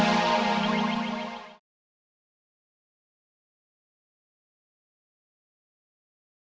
yang lebih baik kitailebih